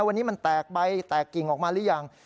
วันนี้มันแตกใบแตกกิ่งออกมาหรือยัง